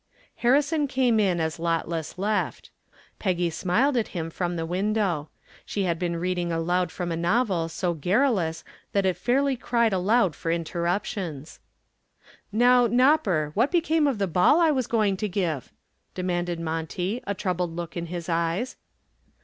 Harrison came in as Lotless left. Peggy smiled at him from the window. She had been reading aloud from a novel so garrulous that it fairly cried aloud for interruptions. "Now, Nopper, what became of the ball I was going to give?" demanded Monty, a troubled look in his eyes.